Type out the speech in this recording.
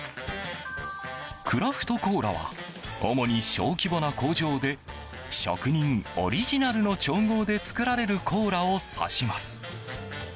クラフトコーラは主に小規模な工場で職人オリジナルの調合で作られるコーラを指します。